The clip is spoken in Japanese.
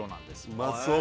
うまそう！